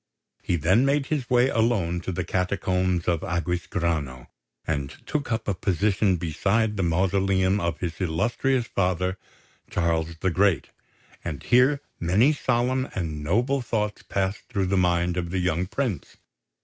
He then made his way alone to the Catacombs of Aquisgrano, and took up a position beside the mausoleum of his illustrious father, Charles the Great; and here many solemn and noble thoughts passed through the mind of the young prince.